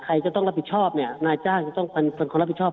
ใครจะต้องรับผิดชอบเนี่ยนายจ้างจะต้องเป็นคนรับผิดชอบ